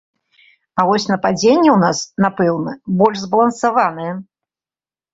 А вось нападзенне ў нас, напэўна, больш збалансаванае.